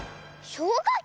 しょうかき！